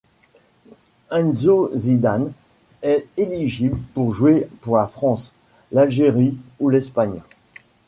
Enzo Zidane est éligible pour jouer pour la France, l'Algérie ou l'Espagne.